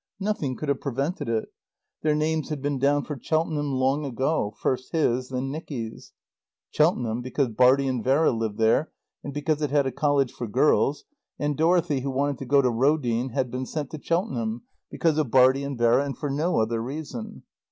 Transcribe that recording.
Nothing could have prevented it; their names had been down for Cheltenham long ago; first his, then Nicky's. Cheltenham, because Bartie and Vera lived there, and because it had a college for girls, and Dorothy, who wanted to go to Roedean, had been sent to Cheltenham, because of Bartie and Vera and for no other reason.